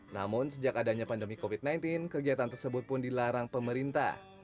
namun sejak adanya pandemi covid sembilan belas kegiatan tersebut pun dilarang pemerintah